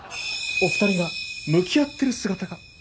お二人が向き合ってる姿が。